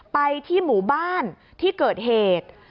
ไปที่หมู่บ้านที่เกิดเหตุ